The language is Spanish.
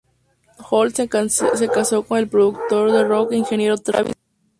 Holt se casó con el productor de rock e ingeniero Travis Huff.